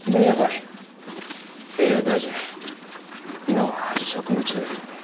いえ大臣今は職務中ですので。